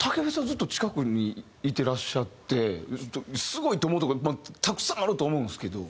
ずっと近くにいてらっしゃってすごいと思うとこたくさんあると思うんですけど。